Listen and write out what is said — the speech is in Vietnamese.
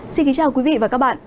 xin kính chào quý vị và các bạn